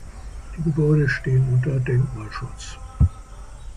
Die Gebäude stehen unter Denkmalschutz.